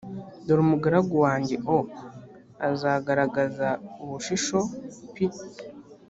dore umugaragu wanjye o azagaragaza ubushishop